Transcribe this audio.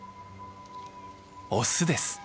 オスです。